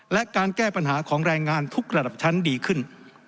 และการแก้ปัญหาของแรงงานทุกระดับชั้นดีขึ้น